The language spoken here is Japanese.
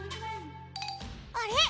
あれ？